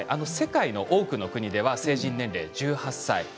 世界の多くの国では成人年齢は１８歳。